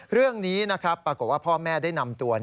เรื่องนี้ปรากฎว่าพ่อแม่ได้นำตัว